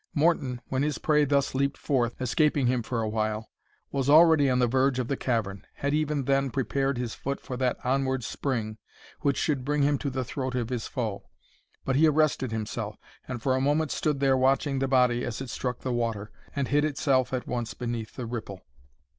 Morton, when his prey thus leaped forth, escaping him for awhile, was already on the verge of the cavern,—had even then prepared his foot for that onward spring which should bring him to the throat of his foe. But he arrested himself, and for a moment stood there watching the body as it struck the water, and hid itself at once beneath the ripple.